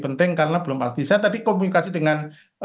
penting karena belum pasti saya tadi komunikasi dengan